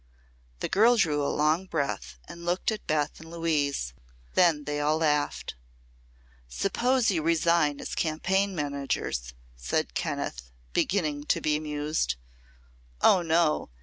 The girl drew a long breath and looked at Beth and Louise. Then they all laughed. "Suppose you resign as campaign managers," said Kenneth, beginning to be amused. "Oh, no!